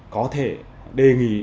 có thể đề nghị